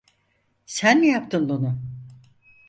Sen mi yaptın bunu?